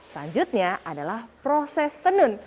selanjutnya adalah proses penun